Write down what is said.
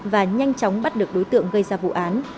và nhanh chóng bắt được đối tượng gây ra vụ án